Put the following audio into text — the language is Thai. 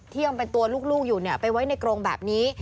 ยังเป็นตัวลูกอยู่ไปไว้ในกรงแบบนี้